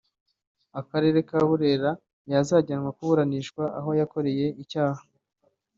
Akarere ka Burera yazajyanwa kuburanishirizwa aho yakoreye icyaha